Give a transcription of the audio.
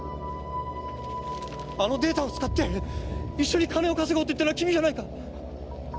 あのデータを使って一緒に金を稼ごうと言ったのは君じゃないか！